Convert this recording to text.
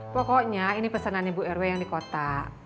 pokoknya ini pesanan ibu rw yang di kota